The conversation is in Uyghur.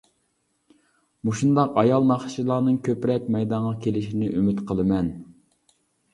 مۇشۇنداق ئايال ناخشىچىلارنىڭ كۆپرەك مەيدانغا كېلىشىنى ئۈمىد قىلىمەن!